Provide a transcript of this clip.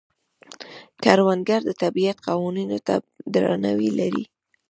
کروندګر د طبیعت قوانینو ته درناوی لري